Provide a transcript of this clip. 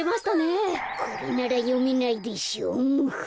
これならよめないでしょムフフ。